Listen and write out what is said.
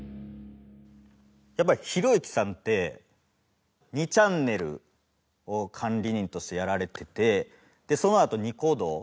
やっぱりひろゆきさんって２ちゃんねるを管理人としてやられててそのあとニコ動。